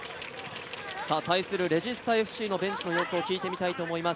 対するレジスタＦＣのベンチの様子を聞いてみたいと思います。